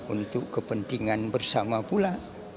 untuk kepentingan bersama pula